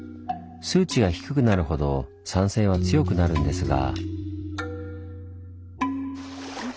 数値が低くなるほど酸性は強くなるんですが。